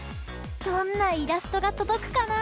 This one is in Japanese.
どんなイラストがとどくかな？